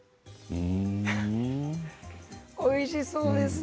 おいしそうですね。